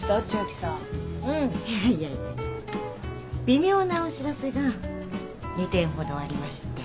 微妙なお知らせが２点ほどありまして。